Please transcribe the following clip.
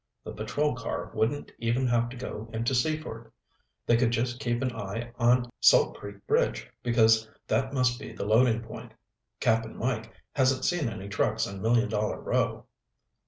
The patrol car wouldn't even have to go into Seaford. They could just keep an eye on Salt Creek Bridge, because that must be the loading point. Cap'n Mike hasn't seen any trucks on Million Dollar Row."